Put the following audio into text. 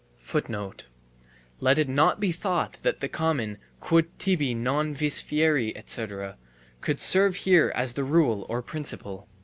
Let it not be thought that the common "quod tibi non vis fieri, etc." could serve here as the rule or principle.